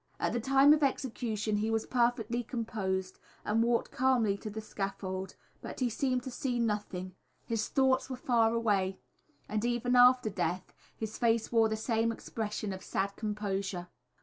At the time of execution he was perfectly composed, and walked calmly to the scaffold, but he seemed to see nothing his thoughts were far away and even after death his face wore the same expression of sad composure.